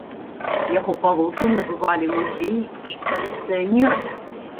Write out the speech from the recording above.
Яго палотны набывалі музеі і калекцыянеры.